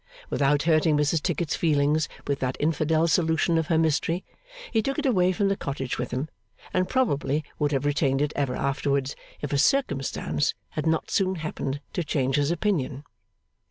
Without hurting Mrs Tickit's feelings with that infidel solution of her mystery, he took it away from the cottage with him; and probably would have retained it ever afterwards if a circumstance had not soon happened to change his opinion.